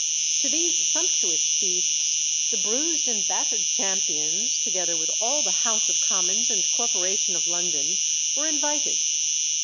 To these sumptuous feasts the bruised and battered champions, together with all the House of Commons and Corporation of London, were invited.